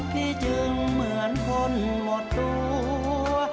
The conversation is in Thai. จึงเหมือนคนหมดตัว